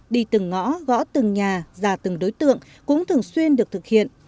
đi từng ngõ gõ từng nhà già từng đối tượng cũng thường xuyên được thực hiện